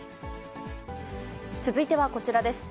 続いてはこちらです。